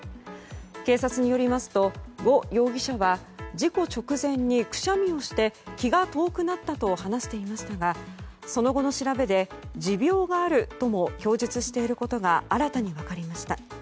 警察によりますとゴ容疑者は事故直前にくしゃみをして気が遠くなったと話していましたがその後の調べで持病があるとも供述していることが新たに分かりました。